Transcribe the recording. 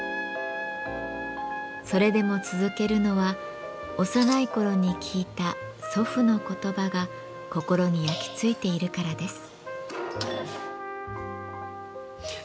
それでも続けるのは幼い頃に聞いた祖父の言葉が心に焼きついているからです。